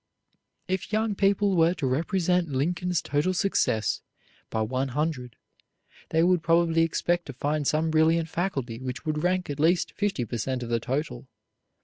If young people were to represent Lincoln's total success by one hundred, they would probably expect to find some brilliant faculty which would rank at least fifty per cent of the total.